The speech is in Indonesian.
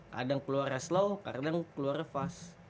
kadang keluarnya slow kadang keluarnya fast